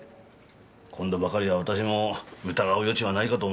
今度ばかりは私も疑う余地はないかと思いますが。